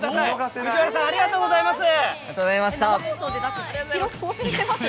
藤原さん、ありがとうございます。